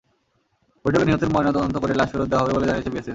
বৈঠকে নিহতের ময়নাতদন্ত করে লাশ ফেরত দেওয়া হবে বলে জানিয়েছে বিএসএফ।